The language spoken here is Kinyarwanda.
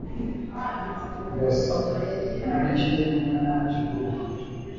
yasa n'ikinyugunyugu kiguruka